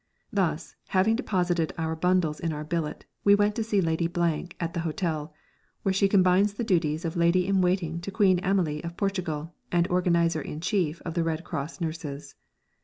Thus, having deposited our bundles in our billets, we were sent to see Lady at the hotel, where she combines the duties of lady in waiting to Queen Amélie of Portugal and organiser in chief of the Red Cross nurses.